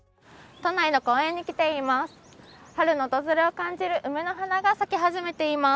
都内の公園に来ています。